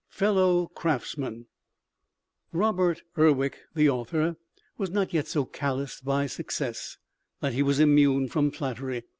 FELLOW CRAFTSMEN Robert Urwick, the author, was not yet so calloused by success that he was immune from flattery.